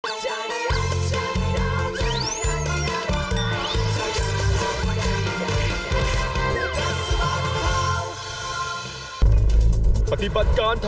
จังหยัดจังหยัดจังหยัดจังหยัดจังหยัด